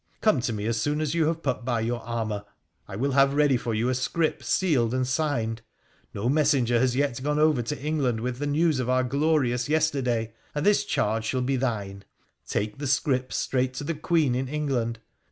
Come to me as soon as you have put by your armour. I will have ready for you a scrip sealed and signed — no messenger has yet gone over to England with the news of our glorious yesterday, and this charge shall be thine. Take the scrip straight to the Queen in England.